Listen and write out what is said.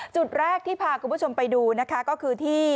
จุดแรกที่พาคุณผู้ชมไปดูนะคะก็คือที่